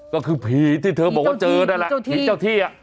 ก็คือผีที่เธอบอกว่าเจอนั่นแหละผีเจ้าที่